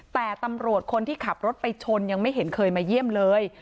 แต่ตำรวจคนที่ขับรถไปชนยังไม่เห็นเคยมาเยี่ยมเลย